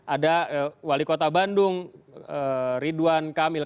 ada wali kota bandung ridwan kamil